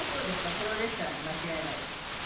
プロレスラーに間違えられたって。